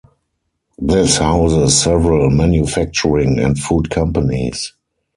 This houses several manufacturing and food companies.